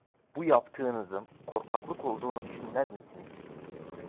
Bu yaptığınızın korkaklık olduğunu düşünmez misiniz?